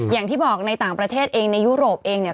อย่างที่บอกในต่างประเทศเองในยุโรปเองเนี่ย